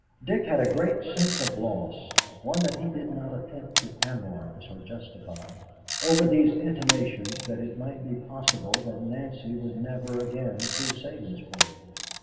Dick had a great sense of loss one that he did not attempt to analyze or justify over these intimations that it might be possible that Nancy would never again see Sabinsport.